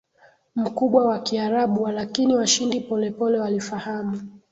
mkubwa wa Kiarabu Walakini washindi polepole walifahamu